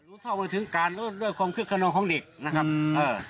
รู้ทอบกับคืนถึงการด้วยคนเด็กนะครับ